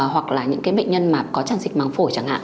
hoặc là những cái bệnh nhân mà có trang dịch màng phổi chẳng hạn